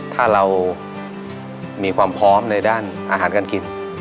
ถ้าเรามีความพร้อมในด้านอาหารการกิน